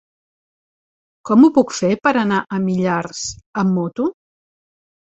Com ho puc fer per anar a Millars amb moto?